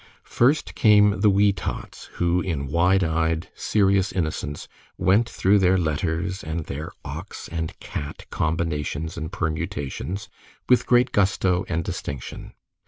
First came the wee tots, who, in wide eyed, serious innocence, went through their letters and their "ox" and "cat" combinations and permutations with great gusto and distinction.